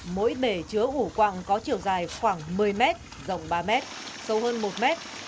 mỗi bể chứa ủ quạng có chiều dài khoảng một mươi mét dòng ba mét sâu hơn một mét